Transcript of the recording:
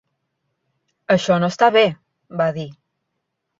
"Això no està bé" va dir.